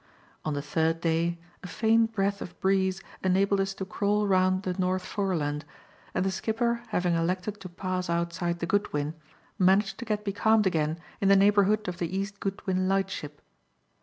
On the third day, a faint breath of breeze enabled us to crawl round the North Foreland, and the skipper having elected to pass outside the Goodwin, managed to get becalmed again in the neighbourhood of the East Goodwin Lightship.